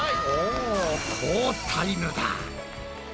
お好タイムだ。